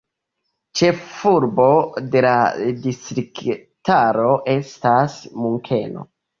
Ĉefurbo de la distriktaro estas Munkeno.